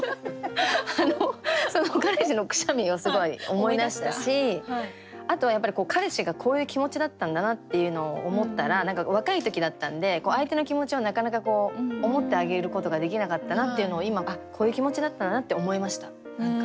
あのその彼氏のくしゃみをすごい思い出したしあとはやっぱり彼氏がこういう気持ちだったんだなっていうのを思ったら何か若い時だったんで相手の気持ちをなかなかこう思ってあげることができなかったなっていうのを今ああこういう気持ちだったんだなって思えました。